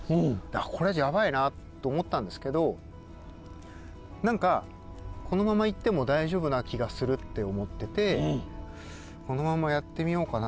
「あっこれヤバイな」と思ったんですけど何かこのままいっても大丈夫な気がするって思っててこのままやってみようかな